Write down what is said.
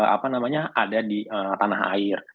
apa namanya ada di tanah air